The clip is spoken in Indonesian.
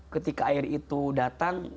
ketika air itu datang